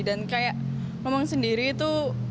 dan kayak ngomong sendiri itu